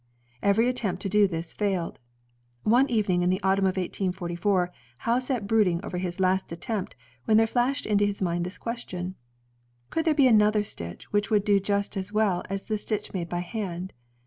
Every attempt to do this failed. One evening in the autumn of 1844, Howe sat brooding over his last attempt when there flashed into his mind this question: "Could there be another stitch which would do just as well as the stitch made by hand?"